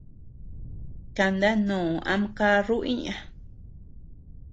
Kandanoo am caruu iña.